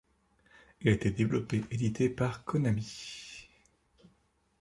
Il a été développé et édité par Konami.